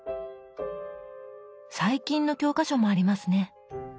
最近の教科書もありますね。